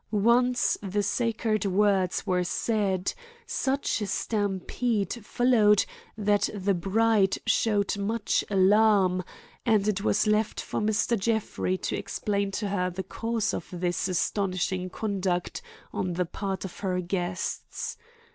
Once the sacred words were said, such a stampede followed that the bride showed much alarm, and it was left for Mr. Jeffrey to explain to her the cause of this astonishing conduct on the part of her guests.